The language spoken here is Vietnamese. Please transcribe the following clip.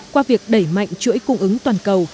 qua việc đẩy mạnh chuỗi cung ứng toàn cầu